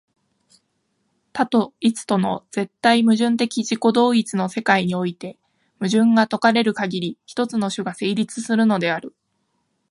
多と一との絶対矛盾的自己同一の世界において、矛盾が解かれるかぎり、一つの種が成立するのである。